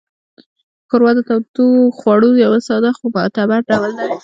ښوروا د تودوخوړو یو ساده خو معتبر ډول دی.